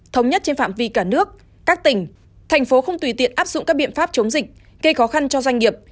thống nhất trên phạm vi cả nước các tỉnh thành phố không tùy tiện áp dụng các biện pháp chống dịch gây khó khăn cho doanh nghiệp